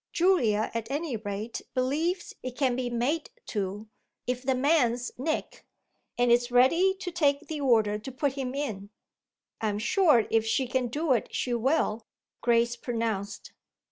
Julia at any rate believes it can be made to if the man's Nick and is ready to take the order to put him in." "I'm sure if she can do it she will," Grace pronounced.